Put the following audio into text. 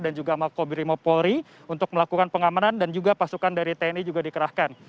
dan juga makobirimopori untuk melakukan pengamanan dan juga pasukan dari tni juga dikerahkan